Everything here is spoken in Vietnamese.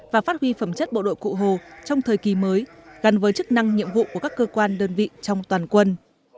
và phát huy phẩm chất bộ đội cụ hồ trong thời kỳ mới gắn với chức năng nhiệm vụ của các cơ quan đơn vị trong toàn quân